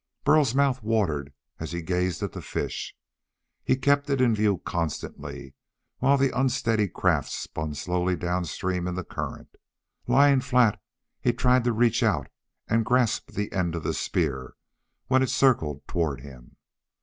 Burl's mouth watered as he gazed at the fish. He kept it in view constantly while the unsteady craft spun slowly downstream in the current. Lying flat he tried to reach out and grasp the end of the spear when it circled toward him.